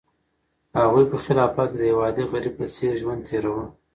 هغوی په خلافت کې د یو عادي غریب په څېر ژوند تېراوه.